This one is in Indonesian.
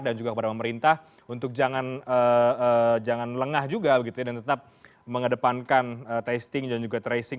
dan juga kepada pemerintah untuk jangan lengah juga dan tetap mengedepankan testing dan juga tracing